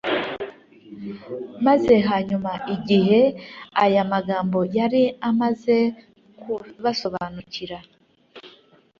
Maze hanyuma igihe aya magambo yari amaze kubasobanukira,